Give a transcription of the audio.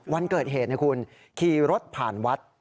วันเกิดเหตุขี่รถผ่านวัด